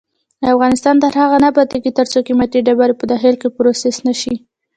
افغانستان تر هغو نه ابادیږي، ترڅو قیمتي ډبرې په داخل کې پروسس نشي.